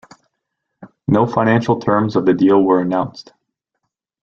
No financial terms of the deal were announced.